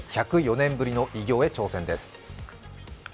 １０４年ぶりの偉業へ挑戦です。